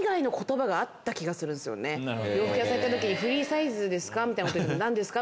洋服屋さん行った時にフリーサイズですか？って言ったら何ですか？